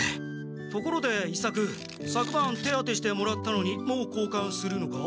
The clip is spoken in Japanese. ところで伊作さくばん手当てしてもらったのにもうこうかんするのか？